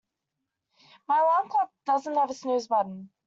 My alarm clock doesn't have a snooze button.